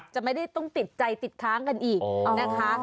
จะไม่ได้ต้องติดใจติดค้างกันอีกนะคะ